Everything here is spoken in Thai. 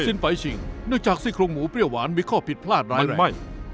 สิ้นไปจริงเนื่องจากสิ้นโครงหมูเปรี้ยวหวานมีข้อผิดพลาดร้ายแรก